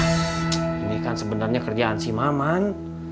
ini kan sebenarnya kerjaan si maman